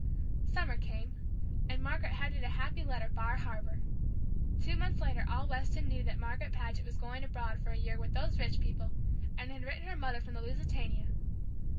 Summer came, and Margaret headed a happy letter "Bar Harbor." Two months later all Weston knew that Margaret Paget was going abroad for a year with those rich people, and had written her mother from the Lusitania.